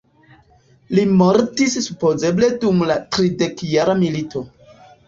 Li mortis supozeble dum la tridekjara milito.